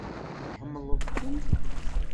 Tḥemmleḍ-ten?